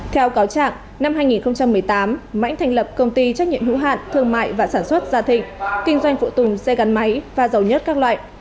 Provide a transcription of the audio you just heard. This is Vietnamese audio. theo cáo trạng năm hai nghìn một mươi tám mãnh thành lập công ty trách nhiệm hữu hạn thương mại và sản xuất gia thịnh kinh doanh phụ tùng xe gắn máy và dầu nhất các loại